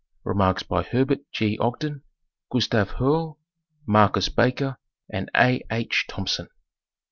REMARKS BY HERBERT G. OGDEN, GUSTAVE HERRLE, MARCUS BAKER, AND A. H. THOMPSON.